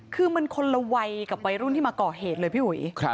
คือมันคนละวัยกับวัยรุ่นที่มาก่อเหตุเลยพี่อุ๋ย